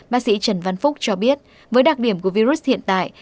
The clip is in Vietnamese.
bác sĩ trần văn phúc cho biết với đặc điểm của virus hiện tại